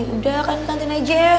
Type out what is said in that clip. udah kan kantin aja